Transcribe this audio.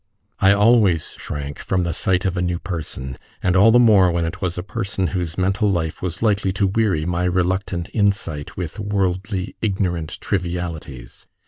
I always shrank from the sight of a new person, and all the more when it was a person whose mental life was likely to weary my reluctant insight with worldly ignorant trivialities.